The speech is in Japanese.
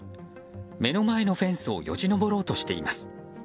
目の前のフェンスをよじ登ろうとしています。